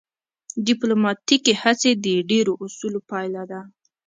ډیپلوماتیکې هڅې د ډیرو اصولو پایله ده